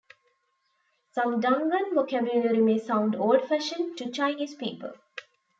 Some Dungan vocabulary may sound old-fashioned to Chinese people.